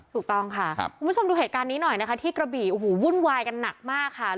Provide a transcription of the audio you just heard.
ถูกต้องค่ะคุณผู้ชมดูเหตุการณ์นี้หน่อยนะคะที่กระบี่โอ้โหวุ่นวายกันหนักมากค่ะ